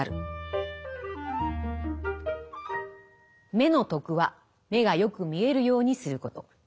目の徳は目がよく見えるようにすること。